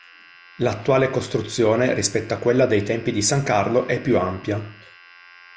L'attuale costruzione, rispetto a quella dei tempi di san Carlo, è più ampia.